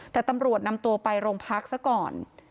แต่ตำรวจนำตัวไปโรงพักซะก่อน